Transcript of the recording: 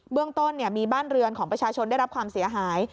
เรื่องต้นมีบ้านเรือนของประชาชนได้รับความเสียหาย